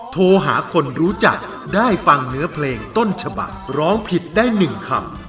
โทรหาคนรู้จักได้ฟังเนื้อเพลงต้นฉบักร้องผิดได้๑คำ